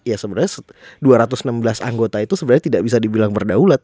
ya sebenarnya dua ratus enam belas anggota itu sebenarnya tidak bisa dibilang berdaulat